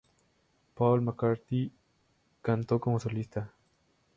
Paul McCartney cantó como solista.